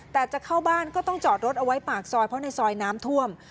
แต่จะเข้าบ้านก็ต้องจอดรถเอาไว้ปากซอยเพราะในซอยน้ำท่วม